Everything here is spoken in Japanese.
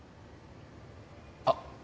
あっ